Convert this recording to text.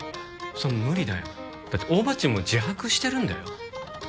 そんな無理だよだって大庭っちも自白してるんだよ